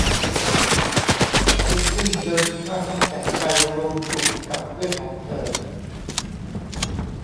เพนกวินเดินข้ามน้ำแข็งไปรวมกลุ่มกับเพื่อนของเธอ